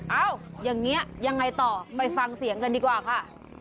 อย่างนี้ยังไงต่อไปฟังเสียงกันดีกว่าค่ะ